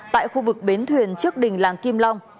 tại khu vực bến thuyền trước đình làng kim long